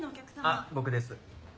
あっ僕です。